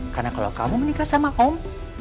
karena kalau kamu menikah sama om